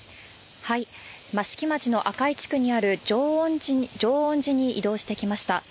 益城町の赤井地区にある浄恩寺に移動してきました。